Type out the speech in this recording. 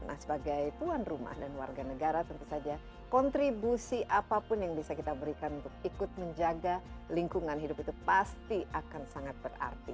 nah sebagai tuan rumah dan warga negara tentu saja kontribusi apapun yang bisa kita berikan untuk ikut menjaga lingkungan hidup itu pasti akan sangat berarti